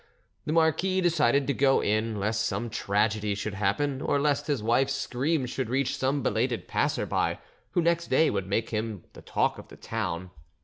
The marquis decided to go in, lest some tragedy should happen, or lest his wife's screams should reach some belated passer by, who next day would make him the talk of the town.